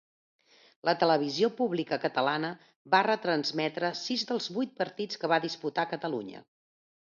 La televisió pública catalana va retransmetre sis dels vuit partits que va disputar Catalunya.